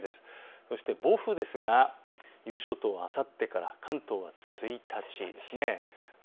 そして暴風ですが伊豆諸島はあさってから、関東は１日から。